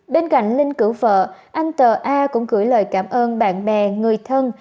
bên cạnh linh cử vợ anh tờ a cũng gửi lời cảm ơn bạn bè người thân